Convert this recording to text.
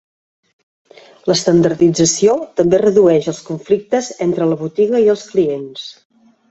L'estandardització també redueix els conflictes entre la botiga i els clients.